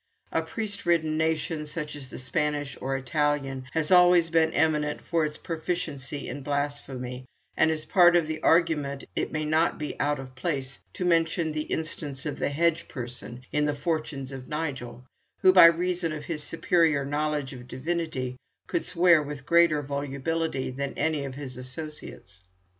A priest ridden nation, such as the Spanish or Italian, has always been eminent for its proficiency in blasphemy; and as part of the argument it may not be out of place to mention the instance of the hedge parson in the 'Fortunes of Nigel,' who, by reason of his superior knowledge of divinity, could swear with greater volubility than any of his associates.